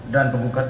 dan penggugat itu